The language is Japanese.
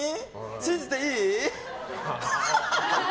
信じていい？